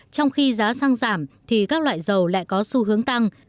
trong khi giá xăng giảm thì các loại dầu lại có xu hướng tăng